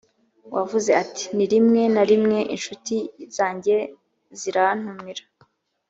wavuze ati rimwe na rimwe incuti zanjye zirantumira